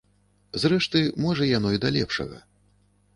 Зрэшты, можа яно і да лепшага.